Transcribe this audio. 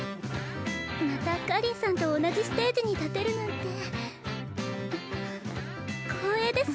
また果林さんと同じステージに立てるなんて光栄です。